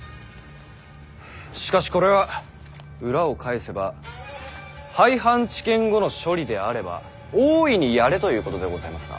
しかしこれは裏を返せば「廃藩置県後の処理であれば大いにやれ」ということでございますな。